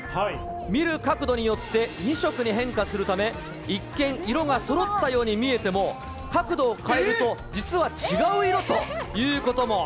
見る角度によって、２色に変化するため、一見、色がそろったように見えても、角度を変えると、実は違う色ということも。